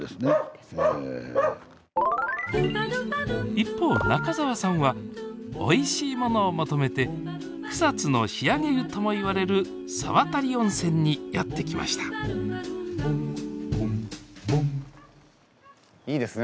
一方中澤さんはおいしいものを求めて草津の仕上げ湯ともいわれる沢渡温泉にやって来ましたいいですね。